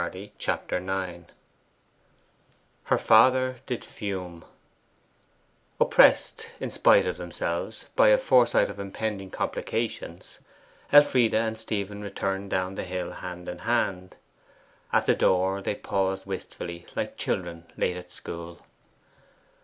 Chapter IX 'Her father did fume' Oppressed, in spite of themselves, by a foresight of impending complications, Elfride and Stephen returned down the hill hand in hand. At the door they paused wistfully, like children late at school.